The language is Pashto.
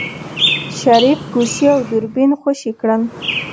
شريف ګوشي او دوربين خوشې کړل.